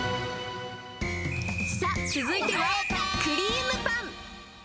さあ、続いてはクリームパン。